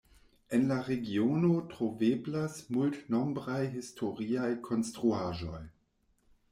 En la regiono troveblas multnombraj historiaj konstruaĵoj.